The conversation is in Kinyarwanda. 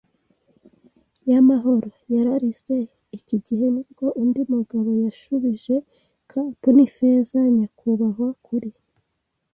y'amahoro? ” yararize. Iki gihe nibwo undi mugabo yashubije. “Cap'n Ifeza, nyakubahwa, kuri